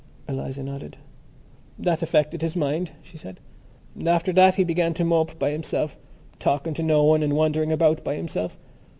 Eliza nodded. "That affected his mind," she said. "After that he began to mope by himself, talking to no one and wandering about by himself.